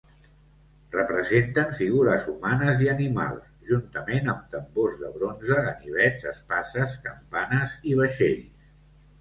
Representen figures humanes i animals, juntament amb tambors de bronze, ganivets, espases, campanes i vaixells.